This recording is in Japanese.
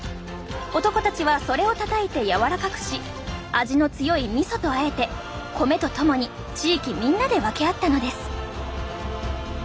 男たちはそれをたたいてやわらかくし味の強いみそとあえて米とともに地域みんなで分け合ったのです。